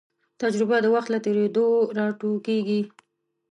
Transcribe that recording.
تجربه د وخت له تېرېدو راټوکېږي.